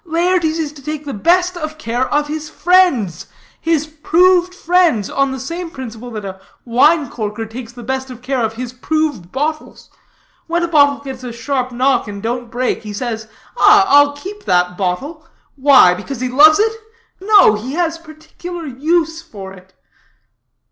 Laertes is to take the best of care of his friends his proved friends, on the same principle that a wine corker takes the best of care of his proved bottles. When a bottle gets a sharp knock and don't break, he says, 'Ah, I'll keep that bottle.' Why? Because he loves it? No, he has particular use for it."